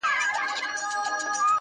ته د رنگونو د خوبونو و سهار ته گډه_